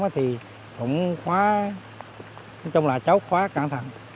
cũng khóa trong là chốc khóa cẩn thận